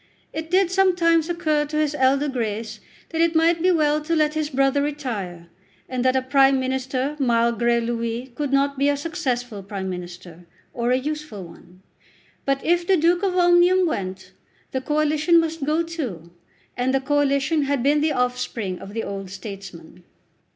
It did sometimes occur to his elder Grace that it might be well to let his brother retire, and that a Prime Minister, malgré lui, could not be a successful Prime Minister, or a useful one. But if the Duke of Omnium went the Coalition must go too, and the Coalition had been the offspring of the old statesman.